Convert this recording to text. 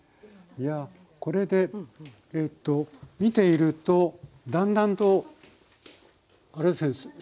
いやこれで見ているとだんだんとあれですね